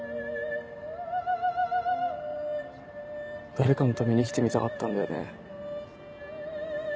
誰かのために生きてみたかったんだよね。